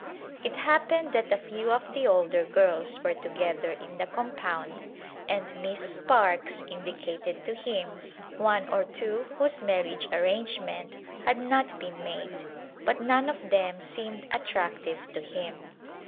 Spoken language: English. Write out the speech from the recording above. It happened that a few of the older girls were together in the compound and Miss Sparkes indicated to him one or two whose marriage arrangement had not been made, but none of them seemed attractive to him.